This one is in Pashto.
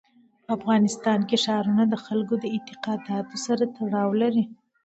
په افغانستان کې ښارونه د خلکو د اعتقاداتو سره تړاو لري.